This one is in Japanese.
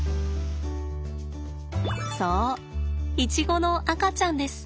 そうイチゴの赤ちゃんです。